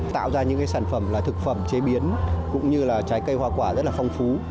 tạo ra những sản phẩm là thực phẩm chế biến cũng như là trái cây hoa quả rất là phong phú